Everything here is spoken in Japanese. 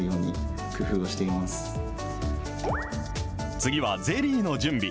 次はゼリーの準備。